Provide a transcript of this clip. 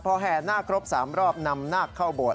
เพราะแห่นหน้าครบ๓รอบนำหน้าเข้าโบสถ์